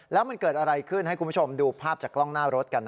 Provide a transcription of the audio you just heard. แล้วมันเกิดอะไรขึ้นให้คุณผู้ชมดูภาพจากกล้องหน้ารถกัน